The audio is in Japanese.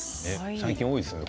最近、多いですよね